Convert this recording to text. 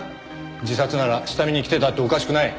自殺なら下見に来てたっておかしくない。